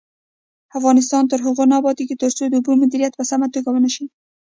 افغانستان تر هغو نه ابادیږي، ترڅو د اوبو مدیریت په سمه توګه ونشي.